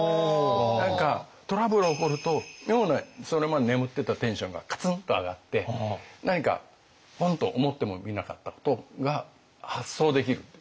何かトラブル起こると妙なそれまで眠ってたテンションがカツンと上がって何かポンと思ってもみなかったことが発想できるっていう。